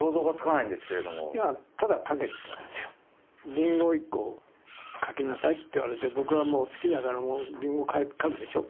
「りんごを一個描きなさい」って言われて僕がもう好きな柄のりんご描くでしょ。